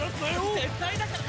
絶対だからね！